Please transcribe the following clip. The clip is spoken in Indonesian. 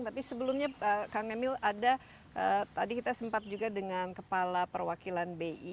tapi sebelumnya kang emil ada tadi kita sempat juga dengan kepala perwakilan bi